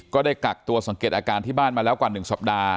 ได้กักตัวสังเกตอาการที่บ้านมาแล้วกว่า๑สัปดาห์